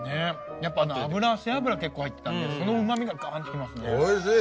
やっぱ背脂結構入ってたんでそのうまみがガンってきますね。